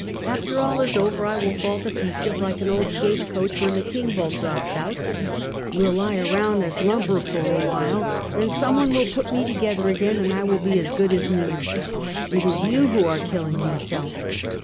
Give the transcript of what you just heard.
After all is over, I will fall to pieces like an old stage coach when the king bolt drops out; will lie around as lum ber for a while, then some one will put me together again, and I will be good as new. It is you who are killing yourself.